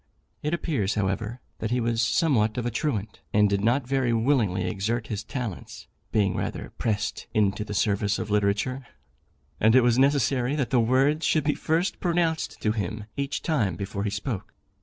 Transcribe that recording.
It appears, however, that he was somewhat of a truant, and did not very willingly exert his talents, being rather pressed into the service of literature, and it was necessary that the words should be first pronounced to him each time before he spoke.